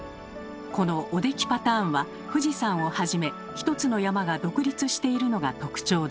この「おできパターン」は富士山をはじめひとつの山が独立しているのが特徴です。